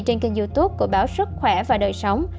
trên kênh youtube của báo sức khỏe và đời sống